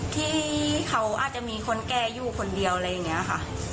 ที่เขาอาจจะมีคนแก่อยู่คนเดียวอะไรอย่างนี้ค่ะ